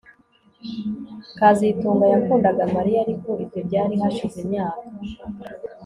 kazitunga yakundaga Mariya ariko ibyo byari hashize imyaka